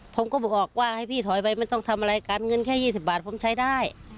ผมก็บอกว่าให้พี่ถอยไปมันต้องทำอะไรกันเงินแค่๒๐บาทผมใช้ได้